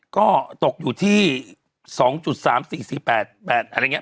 ก็ตกอยู่ที่๒๓๔๔๘๘อะไรอย่างนี้